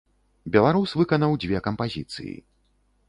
Беларус выканаў дзве кампазіцыі.